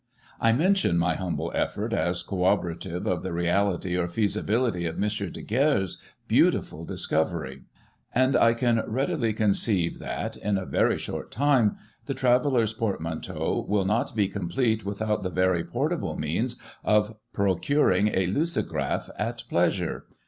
* I mention my humble effort as corroborative of the reality, or feasibility of M. Daguerre's beautiful discovery; and 1 can readily conceive that, in a very short time, the traveller's portmanteau will not be complete without the very portable means of procuring a lucigraph at pleasiure.